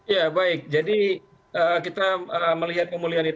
ya baik jadi kita melihat pemulihan itu